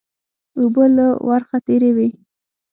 اوبه له ورخه تېرې وې